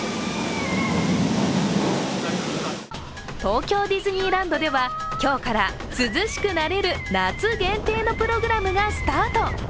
東京ディズニーランドでは今日から涼しくなれる夏限定のプログラムがスタート。